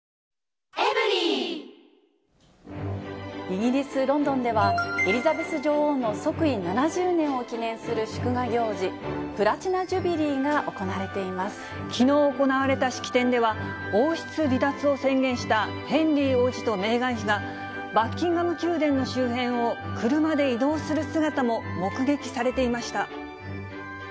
イギリス・ロンドンでは、エリザベス女王の即位７０年を記念する祝賀行事、プラチナ・ジュきのう行われた式典では、王室離脱を宣言したヘンリー王子とメーガン妃が、バッキンガム宮殿の周辺を、車で移動する姿も目撃されていました。